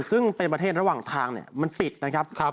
ซึ่งเป็นประเทศระหว่างทางมันปิดนะครับ